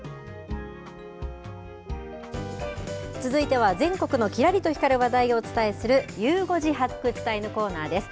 続いては全国のきらりと光る話題をお伝えする、ゆう５時発掘隊のコーナーです。